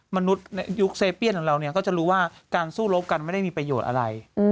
มนุษย์ในยุคเซเปียนของเราเนี่ยก็จะรู้ว่าการสู้รบกันไม่ได้มีประโยชน์อะไร